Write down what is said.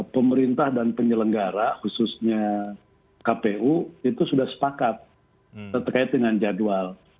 pemerintah dan penyelenggara khususnya kpu itu sudah sepakat terkait dengan jadwal